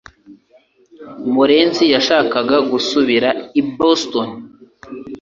murenzi yashakaga gusubira i Boston